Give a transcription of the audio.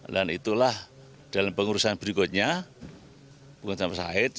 dan itulah dalam pengurusan berikutnya bukit nama said